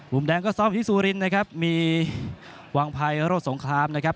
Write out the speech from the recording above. บุ่มแดงก็ซ่อมที่ซูรินนะครับมีวางไพร่โรศงคลามนะครับ